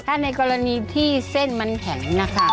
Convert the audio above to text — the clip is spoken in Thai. ถ้าในกรณีที่เส้นมันแข็งนะคะ